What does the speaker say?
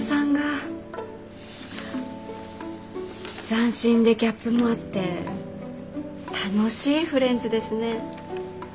斬新でギャップもあって楽しいフレンズですね。